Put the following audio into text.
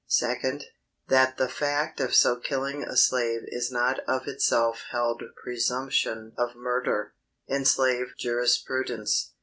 Second, That the fact of so killing a slave is not of itself held presumption of murder, in slave jurisprudence.